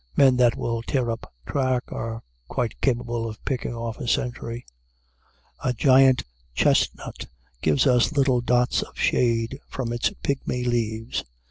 Men that will tear up track are quite capable of picking off a sentry. A giant chestnut gives us little dots of shade from its pigmy leaves.